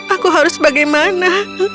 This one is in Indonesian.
aku harus bagaimana